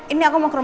ini aku mau kemana